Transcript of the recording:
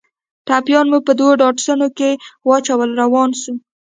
ټپيان مو په دوو ډاټسنو کښې واچول روان سو.